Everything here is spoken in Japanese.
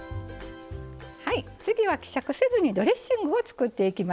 はい次は希釈せずにドレッシングを作っていきますよ。